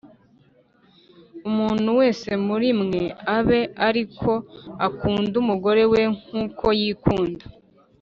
Umuntu wese muri mwe abe ari ko akunda umugore we nk uko yikunda